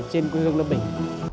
trên quê hương lâm bình